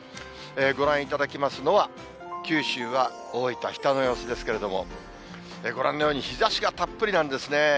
ご覧いただきますのは、九州は大分・日田の様子ですけれども、ご覧のように日ざしがたっぷりなんですね。